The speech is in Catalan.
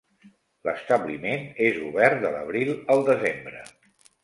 L'establiment és obert de l'abril al desembre.